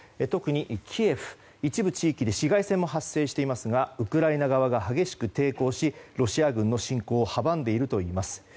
特にキエフ、一部地域で市街戦も発生していますがウクライナ側が激しく抵抗しロシア軍の侵攻を阻んでいるといいます。